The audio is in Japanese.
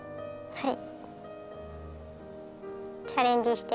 はい。